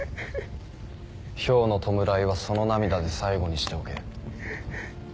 漂の弔いはその涙で最後にしておけ。